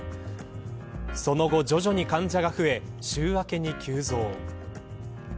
その後徐々に患者が増え週明けに急増。